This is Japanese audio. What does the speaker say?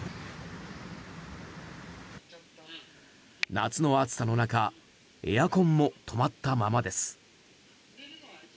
夏の暑さの中エアコンも止まったままです。